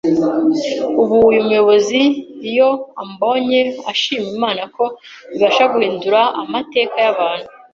Ubu uyu muyobozi iyo ambonye ashima Imana ko ibasha guhindura amateka y’abantu